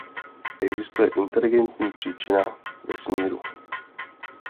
Existuje inteligentní příčina vesmíru.